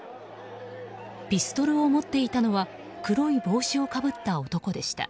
ピストルを持っていたのは黒い帽子をかぶっていた男でした。